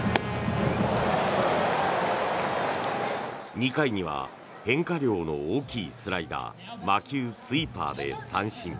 ２回には変化量の大きいスライダー魔球スイーパーで三振。